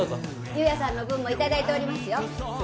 夕也さんの分もいただいておりますよ。